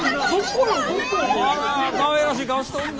あらかわいらしい顔しとんな。